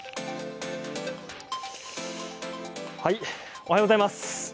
おはようございます。